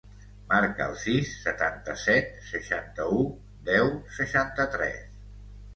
Marca el sis, setanta-set, seixanta-u, deu, seixanta-tres.